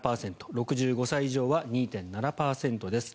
６５歳以上は２．７％です。